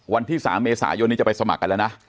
วันที่๓เมษายนนี้จะไปสมัครกันแล้วนะ